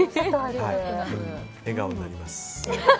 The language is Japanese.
笑顔になります。